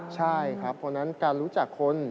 ใช่ครับเพราะฉะนั้นการรู้จักคน